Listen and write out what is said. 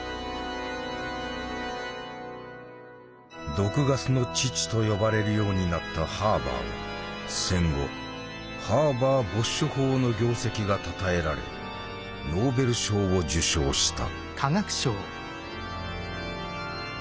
「毒ガスの父」と呼ばれるようになったハーバーは戦後ハーバー・ボッシュ法の業績がたたえられノーベル賞を受賞した。